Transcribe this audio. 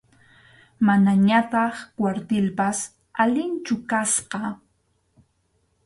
Manañataq kwartilpas alinchu kasqa.